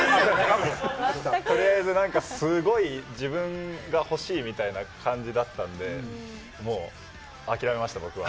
とりあえずなんか、すごい自分が欲しいみたいな感じだったんで、もう諦めました、僕は。